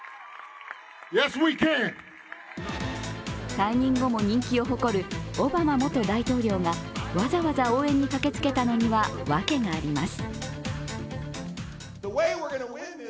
退任後も人気を誇るオバマ元大統領がわざわざ応援に駆けつけたのには訳があります。